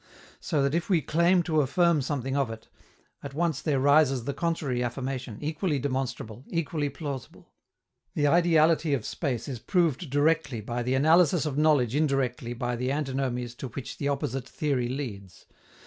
So that if we claim to affirm something of it, at once there rises the contrary affirmation, equally demonstrable, equally plausible. The ideality of space is proved directly by the analysis of knowledge indirectly by the antinomies to which the opposite theory leads.